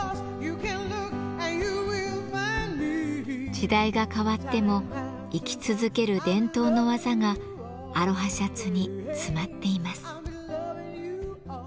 時代が変わっても生き続ける伝統の技がアロハシャツに詰まっています。